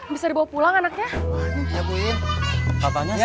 bos idan ini lontar lontarnya